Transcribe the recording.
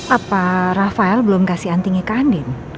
apa rafael belum kasih antingnya ke andien